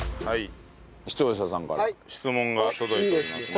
視聴者さんから質問が届いておりますね。